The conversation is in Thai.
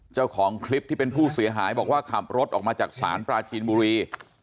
เจ้าของคลิปที่เป็นผู้เสียหายบอกว่าขับรถออกมาจากศาลปราจีนบุรี